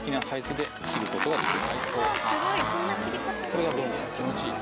これが便利で気持ちいい。